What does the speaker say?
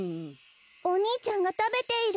おにいちゃんがたべている。